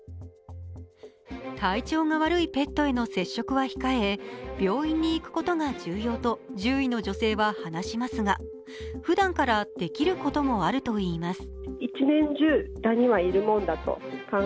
体調が悪いペットへの接触は控え病院に行くことが重要と獣医の女性は話しますがふだんからできることもあるといいます。